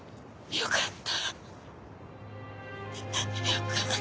よかった。